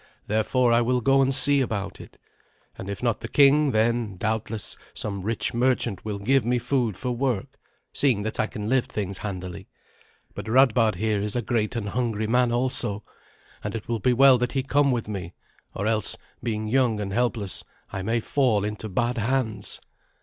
Therefore, I will go and see about it. And if not the king, then, doubtless, some rich merchant will give me food for work, seeing that I can lift things handily. But Radbard here is a great and hungry man also, and it will be well that he come with me; or else, being young and helpless, I may fall into bad hands."